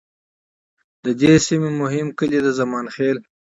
د دې سیمې مهم کلي د زمان خیل،